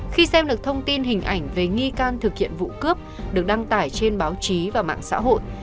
khi xem được thông tin hình ảnh về nghi can thực hiện vụ cướp được đăng tải trên báo chí và mạng xã hội